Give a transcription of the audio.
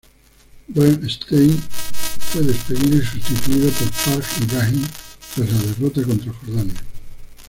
Bernd Stange fue despedido y sustituido por Fajr Ibrahim, tras la derrota contra Jordania.